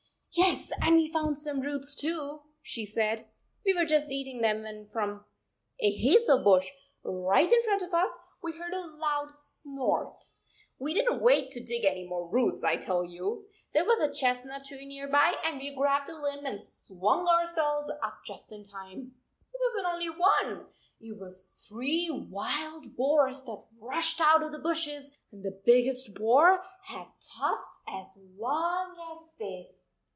"Yes, and we found some roots, too," she said. " We were just eating them when from a hazel bush right in front of us we heard a loud snort ! We did n t wait to dig any more roots, I tell you ! There was a chestnut tree nearby, and we grabbed a limb and swung ourselves up just in time. It was n t only one, it was three wild boars that rushed out of the bushes, and the biggest boar had tusks as long as this."